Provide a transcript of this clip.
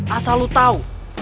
asal lu tau